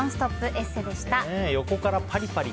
ＥＳＳＥでした。